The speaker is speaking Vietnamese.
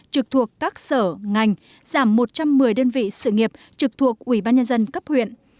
trực thuộc các sở ngành giảm một trăm một mươi đơn vị sự nghiệp trực thuộc ubnd cấp huyện